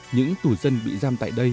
những tù dân bị giam tại đây